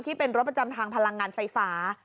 ที่เป็นรถประจำทางพลังงานไฟฟ้า